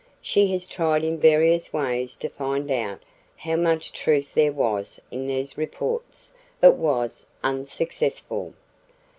She has tried in various ways to find out how much truth there was in these reports, but was unsuccessful.